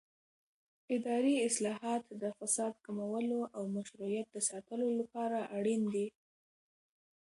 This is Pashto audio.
اداري اصلاحات د فساد کمولو او مشروعیت د ساتلو لپاره اړین دي